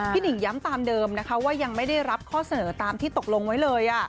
หนิ่งย้ำตามเดิมนะคะว่ายังไม่ได้รับข้อเสนอตามที่ตกลงไว้เลย